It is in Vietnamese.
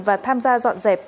và tham gia dọn dẹp